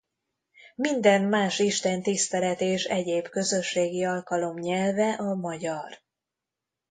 Minden más Istentisztelet és egyéb közösségi alkalom nyelve a magyar.